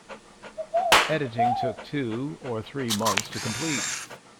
Editing took two or three months to complete.